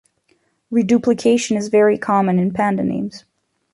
Reduplication is very common in panda names.